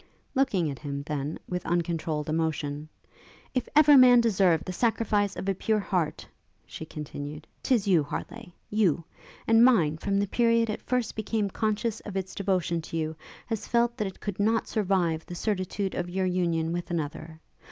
Looking at him, then, with uncontrolled emotion, 'If ever man deserved the sacrifice of a pure heart,' she continued, ''tis you, Harleigh, you! and mine, from the period it first became conscious of its devotion to you, has felt that it could not survive the certitude of your union with another.